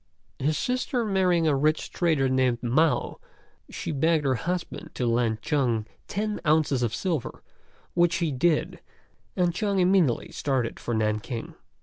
His sister marrying a rich trader named Mao, she begged her husband to lend Chung ten ounces of silver, which he did, and Chung immediately started for Nanking.